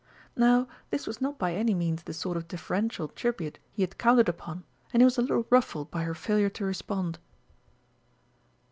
Now this was not by any means the sort of deferential tribute he had counted upon, and he was a little ruffled by her failure to respond.